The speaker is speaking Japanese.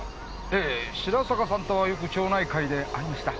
ええ白坂さんとはよく町内会で会いました。